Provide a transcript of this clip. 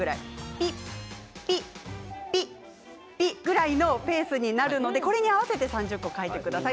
ピッピッピッぐらいのペースでこれに合わせて３０個書いてください。